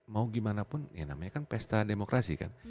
mau gimana pun ya namanya kan pesta demokrasi kan